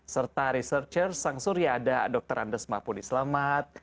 serta researcher sang surya ada dr andes mapudi selamat